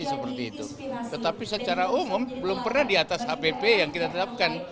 tetapi secara umum belum pernah di atas hpp yang kita tetapkan